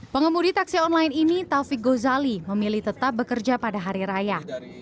pengemudi taksi online ini taufik gozali memilih tetap bekerja pada hari raya